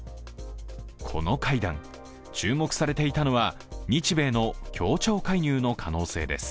この会談、注目されていたのは日米の協調介入の可能性です。